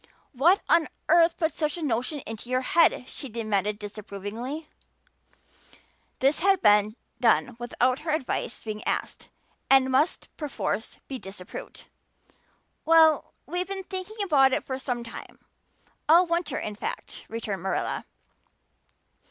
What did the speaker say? "What on earth put such a notion into your head?" she demanded disapprovingly. This had been done without her advice being asked, and must perforce be disapproved. "Well, we've been thinking about it for some time all winter in fact," returned Marilla.